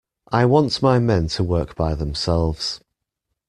I want my men to work by themselves.